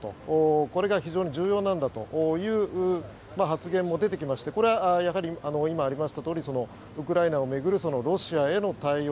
これが非常に重要なんだという発言も出てきましてこれは今、ありましたとおりウクライナを巡るロシアへの対応